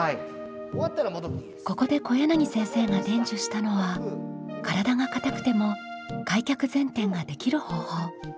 ここで小柳先生が伝授したのは体が硬くても開脚前転ができる方法。